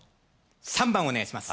３番お願いします